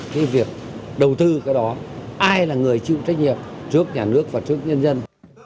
cái việc đầu tư cái đó ai là người chịu trách nhiệm trước nhà nước và trước nhân dân